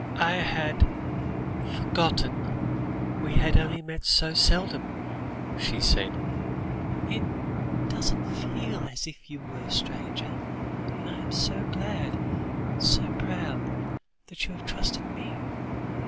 "I had forgotten we had only met so seldom," she said; "it doesn't feel as if you were a stranger; and I am so glad, so proud, that you have trusted me.